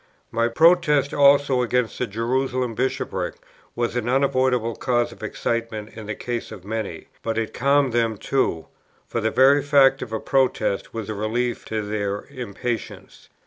My Protest also against the Jerusalem Bishopric was an unavoidable cause of excitement in the case of many; but it calmed them too, for the very fact of a Protest was a relief to their impatience.